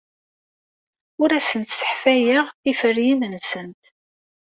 Ur asent-sseḥfayeɣ tiferyin-nsent.